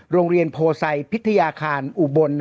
โรงเรียนโพไซพิทยาคารอุบล